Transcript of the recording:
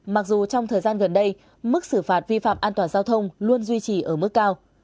mặc dù trong thời gian gần đây mức xử phạt vi phạm an toàn giao thông luôn duy trì ở mức cao